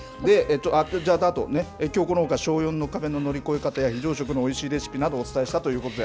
じゃあ、あと、このほか、小４の壁の乗り越え方や非常食のおいしいレシピなどをお伝えしたということで。